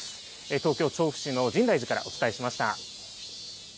東京・調布市の深大寺からお伝えしました。